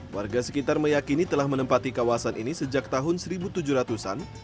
warga sekitar meyakini telah menempati kawasan ini sejak tahun seribu tujuh ratus an